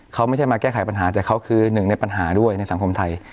เขาไม่ใช่มาแก้ไขปัญหาแต่เขาคือหนึ่งในปัญหาด้วยในสังคมไทย